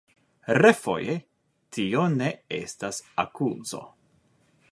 Refoje, tio ne estas akuzo.